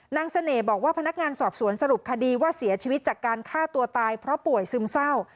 เสน่ห์บอกว่าพนักงานสอบสวนสรุปคดีว่าเสียชีวิตจากการฆ่าตัวตายเพราะป่วยซึมเศร้า